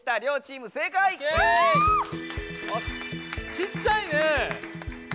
ちっちゃいね。